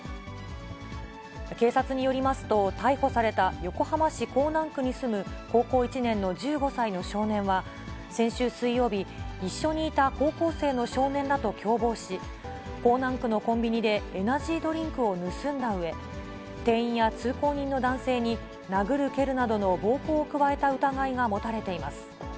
警察によりますと、逮捕された横浜市港南区に住む高校１年の１５歳の少年は、先週水曜日、一緒にいた高校生の少年らと共謀し、港南区のコンビニでエナジードリンクを盗んだうえ、店員や通行人の男性に殴る蹴るなどの暴行を加えた疑いが持たれています。